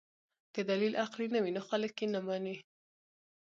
که دلیل عقلي نه وي نو خلک یې نه مني.